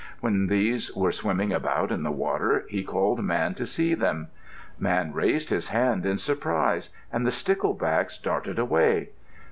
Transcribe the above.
When these were swimming about in the water, he called Man to see them. Man raised his hand in surprise and the sticklebacks darted away.